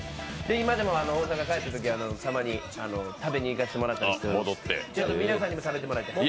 今でも大阪帰ったときにはたまに食べにいかせてもらったりしてる皆さんにも食べてもらいたい。